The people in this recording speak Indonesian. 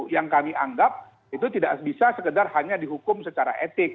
yang kami anggap itu tidak bisa sekedar hanya dihukum secara etik